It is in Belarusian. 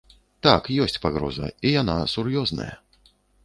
Так, ёсць пагроза, і яна сур'ёзная.